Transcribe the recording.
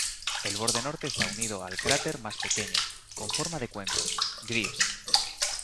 El borde norte está unido al cráter más pequeño, con forma de cuenco, Greaves.